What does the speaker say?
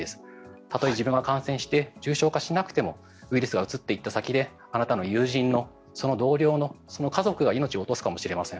たとえ自分が感染して重症化しなくてもウイルスがうつっていった先で友人の、その同僚の、その家族が命を落とすかもしれません。